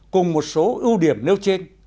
cùng một số ưu điểm nêu trên